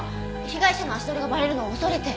被害者の足取りがバレるのを恐れて。